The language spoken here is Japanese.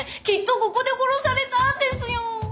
きっとここで殺されたんですよ。